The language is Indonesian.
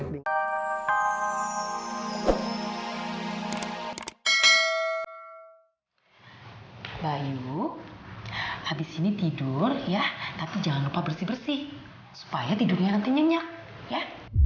baik ini tidur ya tapi jangan lupa bersih bersih supaya tidurnya nanti nyenyak ya